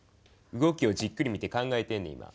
動きをじっくり見て考えてんねん今。